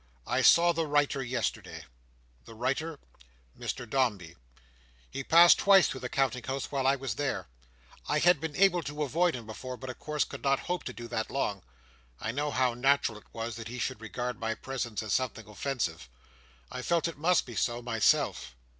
"I saw the writer yesterday." "The writer?" "Mr Dombey. He passed twice through the Counting House while I was there. I had been able to avoid him before, but of course could not hope to do that long. I know how natural it was that he should regard my presence as something offensive; I felt it must be so, myself."